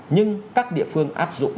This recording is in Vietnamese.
nhưng các địa phương áp dụng